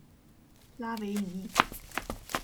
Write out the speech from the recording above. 拉维尼。